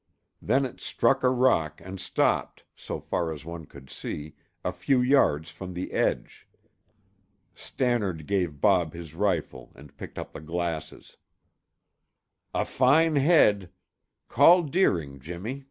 Then it struck a rock and stopped, so far as one could see, a few yards from the edge. Stannard gave Bob his rifle and picked up the glasses. "A fine head! Call Deering, Jimmy.